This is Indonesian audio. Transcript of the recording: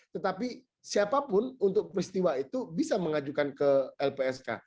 tetapi siapapun untuk peristiwa itu bisa mengajukan ke lpsk